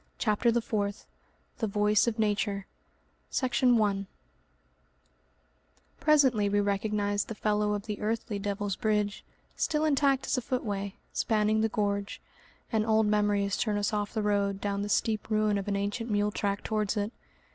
CHAPTER THE FOURTH The Voice of Nature Section 1 Presently we recognise the fellow of the earthly Devil's Bridge, still intact as a footway, spanning the gorge, and old memories turn us off the road down the steep ruin of an ancient mule track towards it.